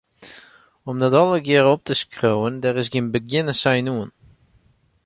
Om dat allegearre op te skriuwen, dêr is gjin begjinnensein oan.